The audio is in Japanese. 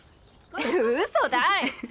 うそだい！